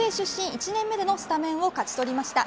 １年目でのスタメンを勝ち取りました。